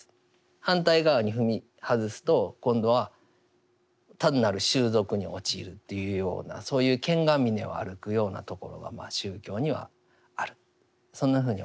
反対側に踏み外すと今度は単なる習俗に陥るというようなそういう剣が峰を歩くようなところが宗教にはあるそんなふうに思います。